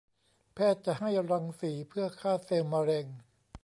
แพทย์จะให้รังสีเพื่อฆ่าเซลล์มะเร็ง